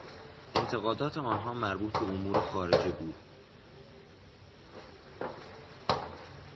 انتقادات آنها مربوط به امور خارجه بود.